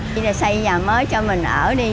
chỉ là xây nhà mới cho mình ở đi